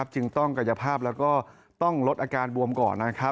จึงต้องกายภาพแล้วก็ต้องลดอาการบวมก่อน